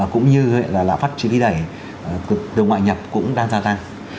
cũng như là lạc phát trí ký đẩy từ ngoại nhập cũng đang gia tăng